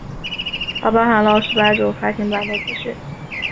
它包含了数百种发行版的资讯。